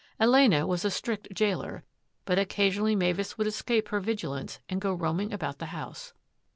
Elena was a strict jailer, but oc casionally Mavis would escape her vigilance and go roaming about the house.